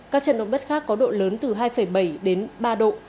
các trận động đất khác có độ lớn từ hai bảy đến ba độ